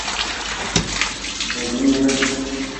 Debiire.